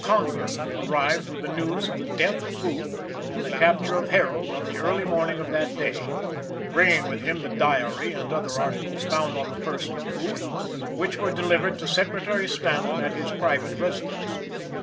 Conger arrived with the news of the death of Booth and the capture of Herold on the early morning of that day; bringing with him the diary and other articles found on the person of Booth, which were delivered to Secretary Stanton at his private residence.